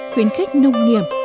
khuyến khích nông nghiệp